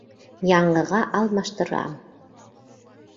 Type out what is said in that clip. Яңыға алмаштырам!